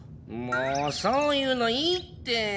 もうそういうのいいって！